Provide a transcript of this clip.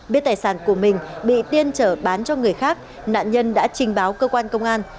biết tài sản của mình bị tiên chở bán cho người khác nạn nhân đã trình báo cơ quan công an